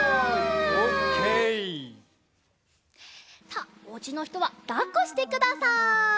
さあおうちのひとはだっこしてください。